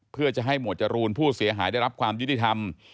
เพื่อจะให้หมวดจรูนผู้เสียหายได้รับความยุติธรรม